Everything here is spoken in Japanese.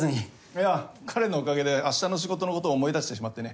いや彼のおかげで明日の仕事のことを思い出してしまってね